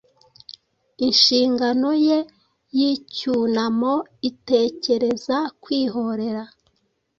Inshingano ye yicyunamoitekereza kwihorera